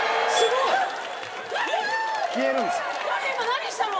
何したの？